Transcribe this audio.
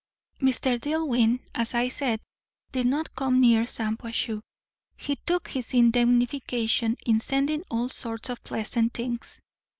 Mr. Dillwyn, as I said, did not come near Shampuashuh. He took his indemnification in sending all sorts of pleasant things.